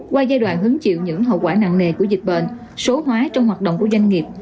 qua giai đoạn hứng chịu những hậu quả nặng nề của dịch bệnh số hóa trong hoạt động của doanh nghiệp